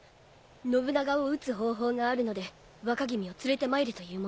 信長を討つ方法があるので若君を連れてまいれと言う者が。